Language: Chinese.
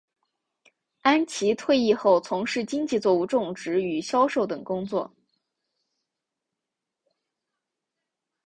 安琦退役后从事经济作物种植与销售等工作。